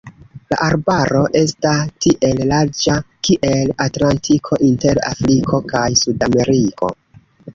La arbaro esta tiel larĝa kiel Atlantiko inter Afriko kaj Sudameriko.